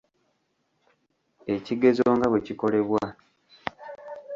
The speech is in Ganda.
Ekigezo nga bwe kikolebwa.